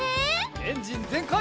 エンジンぜんかい！